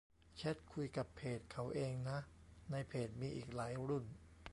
แชตคุยกับเพจเขาเองนะ ในเพจมีอีกหลายรุ่น